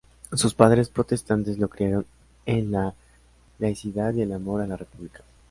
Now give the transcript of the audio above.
Sus padres protestantes lo criaron en la laicidad y el amor a la República.